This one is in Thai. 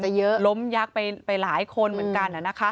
เยอะล้มยักษ์ไปหลายคนเหมือนกัน